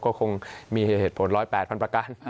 ก็คงมีเหตุผล๑๐๘๐๐ประการ